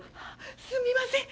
すみません！